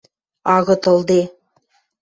– Агыт ылде...